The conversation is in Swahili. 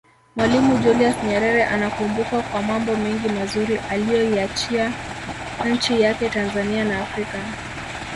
Mwalimu Julius Nyerere anakumbukwa kwa mambo mengi mazuri aliyoiachia nchi yake Tanzania na Afrika